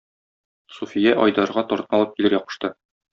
Суфия Айдарга тортны алып килергә кушты.